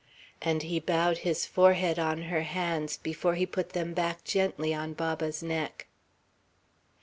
and he bowed his forehead on her hands, before he put them back gently on Baba's neck.